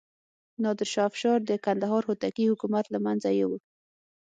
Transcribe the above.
نادر شاه افشار د کندهار هوتکي حکومت له منځه یووړ.